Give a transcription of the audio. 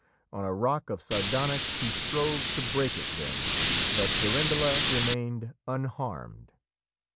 On a rock of sardonyx he strove to break it then, but Durendala remained unharmed.